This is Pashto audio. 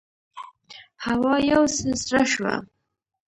هوا یو څه سړه شوه.